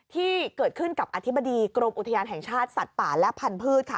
ที่เกิดขึ้นกับอธิบดีกรมอุทยานแห่งชาติสัตว์ป่าและพันธุ์ค่ะ